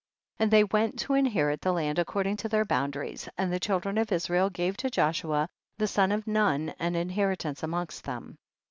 21. And they went to inherit the land according to their boundaries, and the children of Israel gave to Joshua the son of Nun an inheritance amongst them.